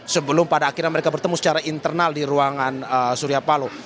sebelum pada akhirnya mereka bertemu secara internal di ruangan surya paloh